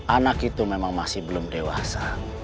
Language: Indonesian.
anak itu memang masih belum dewasa